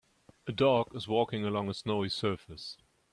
A dog is walking along a snowy surface